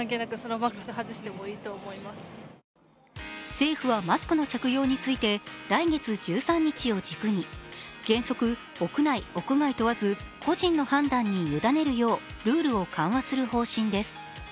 政府はマスクの着用について来月１３日を軸に原則、屋内・屋外問わず個人の判断に委ねるようルールを緩和する方針です。